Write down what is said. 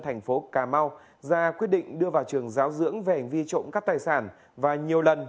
thành phố cà mau ra quyết định đưa vào trường giáo dưỡng về hành vi trộm cắp tài sản và nhiều lần